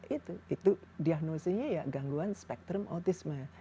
itu itu diagnosinya ya gangguan spectrum autism